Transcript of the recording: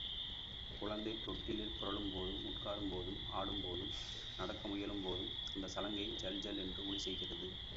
குழந்தை தொட்டிலிற் புரளும்போதும் உட்காரும்போதும் ஆடும்போதும் நடக்க முயலும்போதும் அந்தச் சலங்கை ஜல் ஜல் என்று ஒலி செய்கிறது.